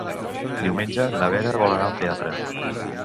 Diumenge na Vera vol anar al teatre.